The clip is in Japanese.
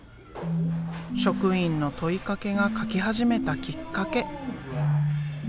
職員の問いかけが描き始めたきっかけ。